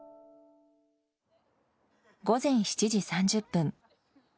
午前７時３０分。